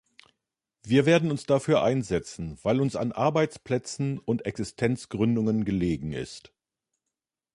Wir werden uns dafür einsetzen, weil uns an Arbeitsplätzen und Existenzgründungen gelegen ist.